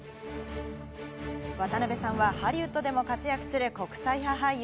渡辺さんはハリウッドでも活躍する国際派俳優。